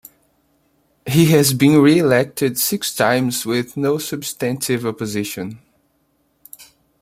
He has been re-elected six times with no substantive opposition.